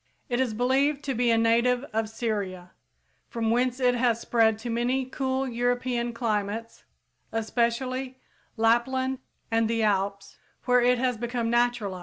It is believed to be a native of Syria, from whence it has spread to many cool European climates, especially Lapland and the Alps, where it has become naturalized.